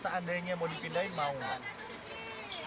seandainya mau dipindahin mau nggak